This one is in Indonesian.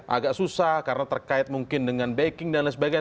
agak susah karena terkait mungkin dengan backing dan lain sebagainya